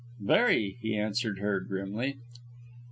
"Very," he answered her, grimly.